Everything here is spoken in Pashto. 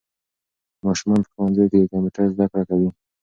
ماشومان په ښوونځیو کې د کمپیوټر زده کړه کوي.